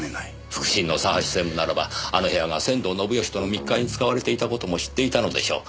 腹心の佐橋専務ならばあの部屋が仙道信義との密会に使われていた事も知っていたのでしょう。